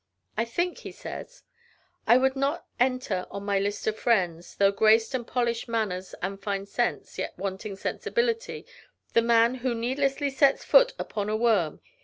I think he says "I would not enter on my list of friends Though graced with polished manners and fine sense, Yet wanting sensibility the man Who needlessly sets foot upon a worm.